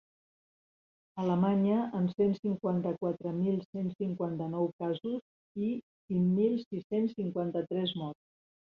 Alemanya, amb cent cinquanta-quatre mil cent cinquanta-nou casos i cinc mil sis-cents cinquanta-tres morts.